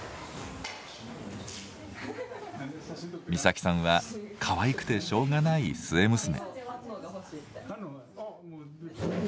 美沙紀さんはかわいくてしょうがない末娘。